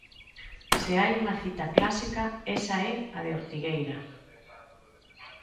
Se hai unha cita clásica, esa é a de Ortigueira.